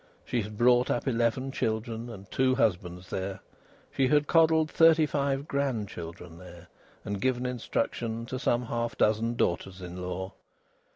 She had brought up eleven children and two husbands there. She had coddled thirty five grand children there, and given instruction to some half dozen daughters in law.